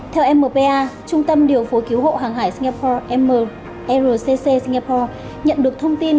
theo mpa trung tâm điều phối cứu hộ hàng hải singapore mrcc singapore nhận được thông tin